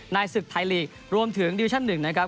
ศึกไทยลีกรวมถึงดิวิชั่น๑นะครับ